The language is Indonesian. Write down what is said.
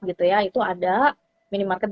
itu ada minimarket